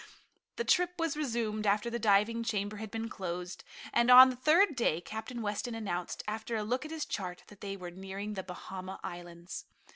The trip was resumed after the diving chamber had been closed, and on the third day Captain Weston announced, after a look at his chart, that they were nearing the Bahama Islands.